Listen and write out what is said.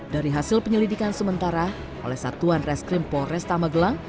dari hasil penyelidikan sementara oleh satuan reskrim polres tamagelang